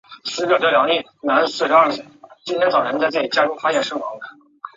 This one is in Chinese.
二话不说拉住她的手往回走